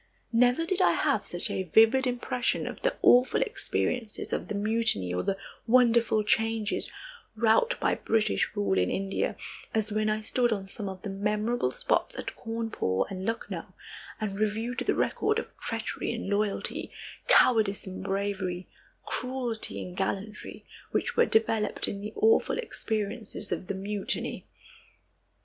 Never did I have such a vivid impression of the awful experiences of the mutiny, or the wonderful changes wrought by British rule in India, as when I stood on some of the memorable spots at Cawnpore and Lucknow, and reviewed the record of treachery and loyalty, cowardice and bravery, cruelty and gallantry, which were developed in the awful experiences of the Mutiny.